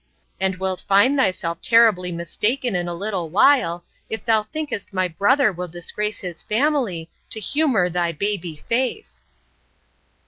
—And wilt find thyself terribly mistaken in a little while, if thou thinkest my brother will disgrace his family, to humour thy baby face!